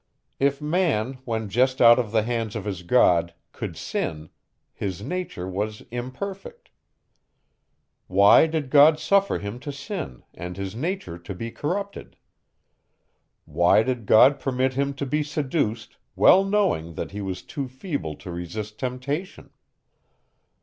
If man, when just out of the hands of his God, could sin, his nature was imperfect. Why did God suffer him to sin, and his nature to be corrupted? Why did God permit him to be seduced, well knowing that he was too feeble to resist temptation?